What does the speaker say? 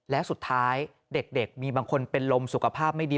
แล้วสุดท้ายเด็กมีบางคนเป็นลมสุขภาพไม่ดี